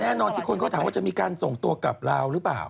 แน่นอนที่คนก็ถามว่าจะมีการส่งตัวกลับลาวหรือเปล่า